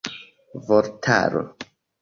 vortaro